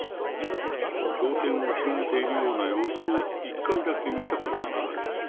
教典を広げているような様子を、一回だけ見たことがある。